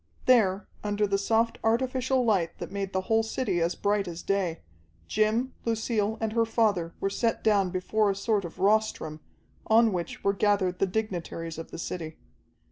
There, under the soft artificial light that made the whole city as bright as day, Jim, Lucille, and her father were set down before a sort of rostrum, on which were gathered the dignitaries of the city.